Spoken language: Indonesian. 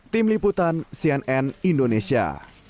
tim liputan cnn indonesia